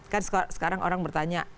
kan sekarang orang bertanya